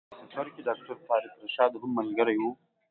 په سفر کې ډاکټر طارق رشاد هم ملګری و.